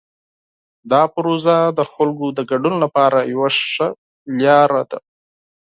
دا پروژه د خلکو د ګډون لپاره یوه ښه لاره ده.